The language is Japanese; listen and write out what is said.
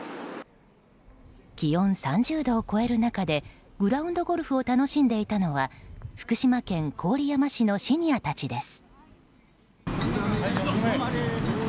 気温３０度を超える中でグラウンドゴルフを楽しんでいたのは福島県郡山市のシニアたちです。